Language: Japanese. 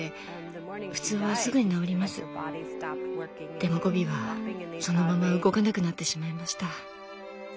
でもゴビはそのまま動かなくなってしまいました。